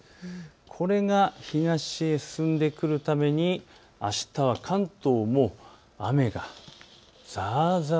これが東へ進んでくるためにあしたは関東も雨がざーざー